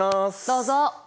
どうぞ。